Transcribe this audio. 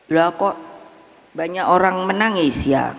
ya kok banyak orang menangis ya